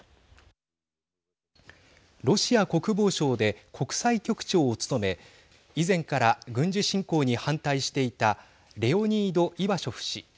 ロシア国防省で国際局長を務め以前から軍事侵攻に反対していたレオニード・イワショフ氏。